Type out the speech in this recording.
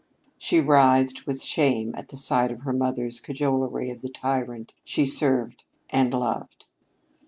She writhed with shame at the sight of her mother's cajolery of the tyrant she served and loved.